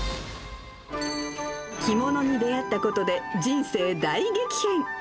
着物に出会ったことで人生大激変。